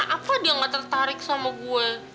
apa dia gak tertarik sama gue